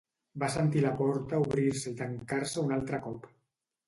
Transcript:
Va sentir la porta obrir-se i tancar-se un altre cop.